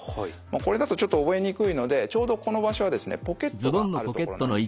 これだとちょっと覚えにくいのでちょうどこの場所はですねポケットがある所なんですね。